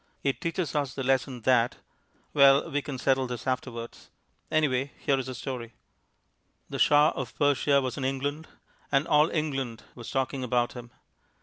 It teaches us the lesson that well, we can settle this afterwards. Anyway, here is the story. The Shah of Persia was in England, and all England was talking about him.